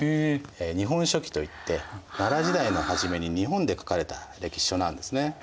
「日本書紀」といって奈良時代の初めに日本で書かれた歴史書なんですね。